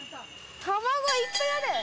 卵いっぱいある！